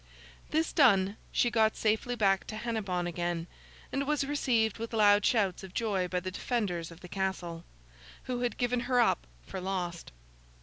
This done, she got safely back to Hennebon again, and was received with loud shouts of joy by the defenders of the castle, who had given her up for lost.